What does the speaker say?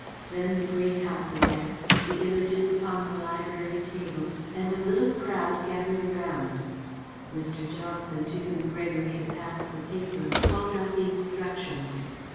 Then the Great House again, the Images upon the library table, and a little crowd gathered around. Mr. Johnson, to whom Gregory had passed the paper, called out the instructions.